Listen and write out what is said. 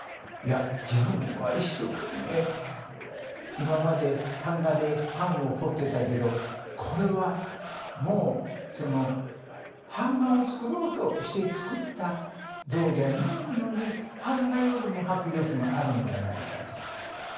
いや自分は一生懸命今まで版画で版を彫ってたけどこれはもうその版画を作ろうとして作った像じゃないのに版画よりも迫力があるんじゃないかと。